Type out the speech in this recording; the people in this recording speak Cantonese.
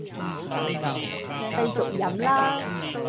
繼續飲啦